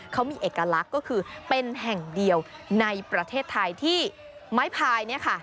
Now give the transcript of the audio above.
เขามีเอกลักษณ์ก็คือเป็นแห่งเดียวในประเทศไทยที่ไม้พายเนี่ยค่ะ